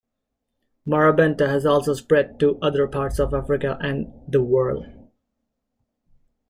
Marrabenta has also spread to other parts of Africa and the world.